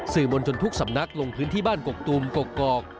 สื่อมนต์จนทุกสำนักลงพื้นที่บ้านกกตุมกกกอก